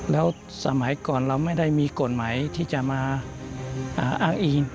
แล้วสมัยก่อนเราไม่ได้มีกฎหมายที่จะมาอ้างอิง